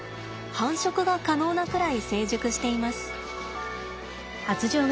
繁殖が可能なくらい成熟しています。